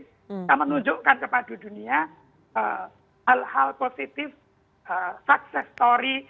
kita menunjukkan kepada dunia hal hal positif success story